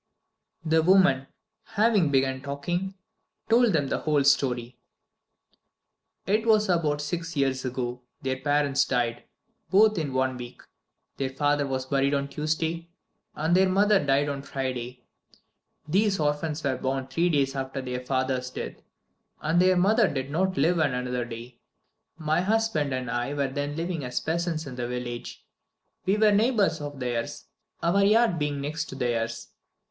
IX The woman, having begun talking, told them the whole story. "It is about six years since their parents died, both in one week: their father was buried on the Tuesday, and their mother died on the Friday. These orphans were born three days after their father's death, and their mother did not live another day. My husband and I were then living as peasants in the village. We were neighbors of theirs, our yard being next to theirs.